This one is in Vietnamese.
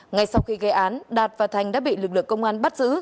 ngay sau khi gây án đạt và thành đã bị lực lượng công an bắt giữ